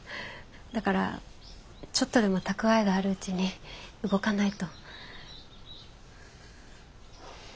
だからちょっとでも蓄えがあるうちに動かないと。